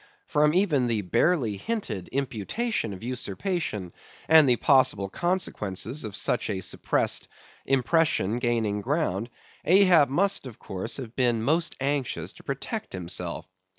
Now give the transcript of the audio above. From even the barely hinted imputation of usurpation, and the possible consequences of such a suppressed impression gaining ground, Ahab must of course have been most anxious to protect himself.